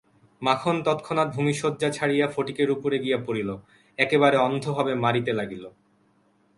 মাখন তৎক্ষণাৎ ভূমিশয্যা ছাড়িয়া ফটিকের উপরে গিয়া পড়িল, একেবারে অন্ধভাবে মারিতে লাগিল।